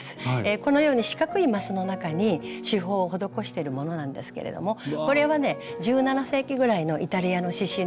このように四角いマスの中に手法を施してるものなんですけれどもこれはね１７世紀ぐらいのイタリアの刺しゅうの影響を受けたと思われます。